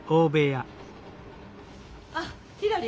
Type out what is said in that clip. あっひらり。